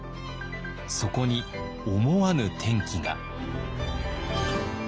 そこに思わぬ転機が。